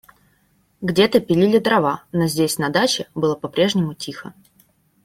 Где-то пилили дрова, но здесь, на даче, было по-прежнему тихо.